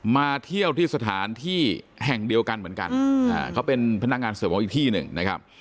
มาเที่ยวที่สถานที่แห่งเดียวกันเหมือนกันเขาเป็นพนักงานเสิร์ฟของอีกที่หนึ่งนะครับ